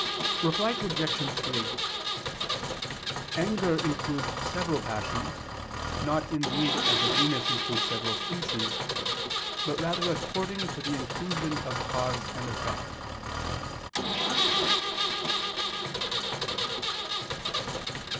Reply Obj. 3: Anger includes several passions, not indeed as a genus includes several species; but rather according to the inclusion of cause and effect.